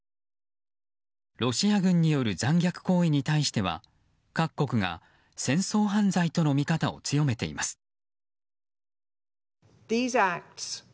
ロシア軍による残虐行為に対しては各国が戦争犯罪との見方を強めています。